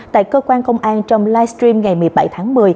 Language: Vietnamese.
tại cơ quan công an trong live stream ngày một mươi bảy tháng một mươi